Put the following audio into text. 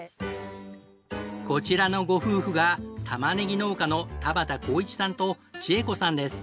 こちらのご夫婦がたまねぎ農家の田端講一さんと千惠子さんです。